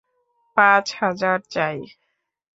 পাঁচ হাজার চাই?